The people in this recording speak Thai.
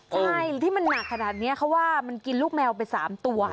ใช่ที่มันหนักขนาดนี้เขาว่ามันกินลูกแมวไป๓ตัว